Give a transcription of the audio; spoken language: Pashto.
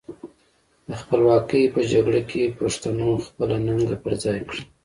د خپلواکۍ په جګړه کې پښتنو خپله ننګه پر خای کړه.